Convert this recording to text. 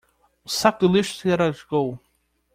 O saco de lixo se rasgou